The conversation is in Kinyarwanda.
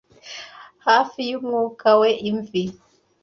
Hafi yumwuka we imvi;